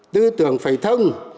tư tưởng phải thông